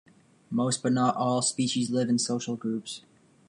Most, but not all, species live in social groups.